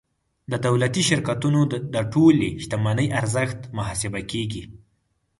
د دولتي شرکتونو د ټولې شتمنۍ ارزښت محاسبه کیږي.